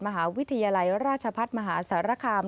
มหาวิทยาลัยราชพัฒน์มหาสารคาม